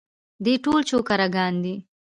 دوی ټول چوکره ګان دي.